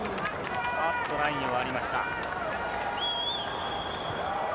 ラインを割りました。